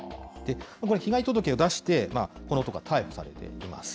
これ、被害届を出して、この男は逮捕されています。